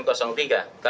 komisi pemulihan umum